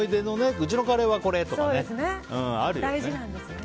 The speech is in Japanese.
うちのカレーはこれとかあるよね。